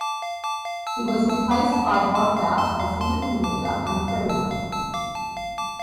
He was replaced by Godbout as Liberal leader and premier.